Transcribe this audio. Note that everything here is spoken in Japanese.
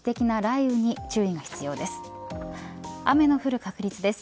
雨の降る確率です。